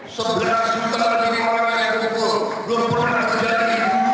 sebelah jutaan orang yang berpuluh puluh orang terjadi